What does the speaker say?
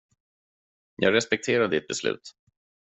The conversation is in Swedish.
Jag respekterar ditt beslut.